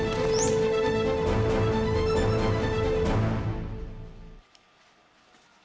pasang nanti deh